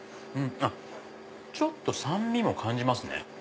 ちょっと酸味も感じますね。